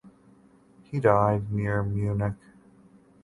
He died near Munich.